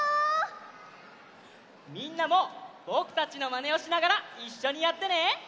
みんなもぼくたちのまねをしながらいっしょにやってね！